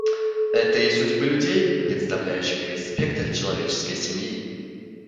Это и судьбы людей, представляющих весь спектр человеческой семьи.